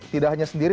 tidak hanya sendiri